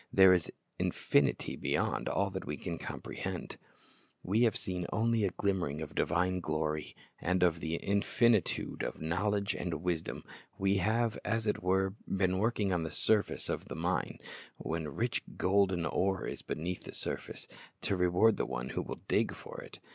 There is infinity beyond all that we can comprehend. We have seen only the glimmering of divine glory and of the infinitude of knowledge and wisdom; we have, as it were, been working on the surface of the mine, when rich golden ore is beneath the surface, to reward the one \\\\o will dig for it.